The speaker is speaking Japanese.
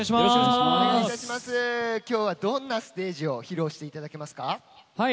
今日はどんなステージを披露していただけますか？